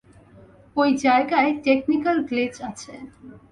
ওই জায়গায় technical glitch আছে।